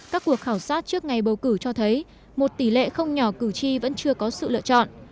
các cuộc khảo sát trước ngày bầu cử cho thấy một tỷ lệ không nhỏ cử tri vẫn chưa có sự lựa chọn